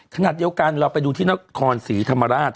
ถ้องัดเหี่ยวกันเราไปดูที่นครสีธรรมราช